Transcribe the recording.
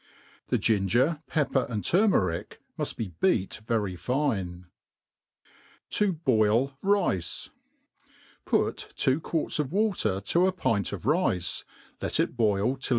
The ginger, pepper, and tgrinerick, muft be beat very fine* 7i hoil Rid. PUT two quarts'of water to a pint of rice, let it boil till.